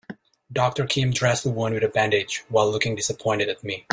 Doctor Kim dressed the wound with a bandage while looking disappointed at me.